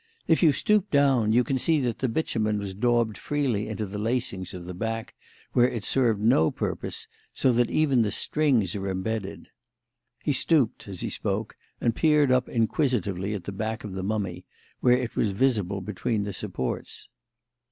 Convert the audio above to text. If you stoop down, you can see that the bitumen was daubed freely into the lacings of the back, where it served no purpose, so that even the strings are embedded." He stooped, as he spoke, and peered up inquisitively at the back of the mummy, where it was visible between the supports.